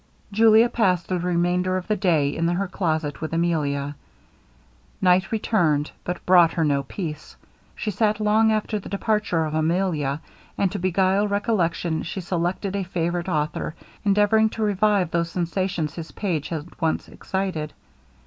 Julia passed the remainder of the day in her closet with Emilia. Night returned, but brought her no peace. She sat long after the departure of Emilia; and to beguile recollection, she selected a favorite author, endeavouring to revive those sensations his page had once excited.